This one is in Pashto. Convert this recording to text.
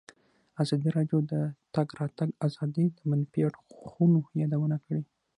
ازادي راډیو د د تګ راتګ ازادي د منفي اړخونو یادونه کړې.